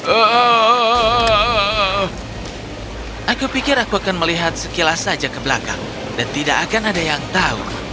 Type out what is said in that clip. oh aku pikir aku akan melihat sekilas saja ke belakang dan tidak akan ada yang tahu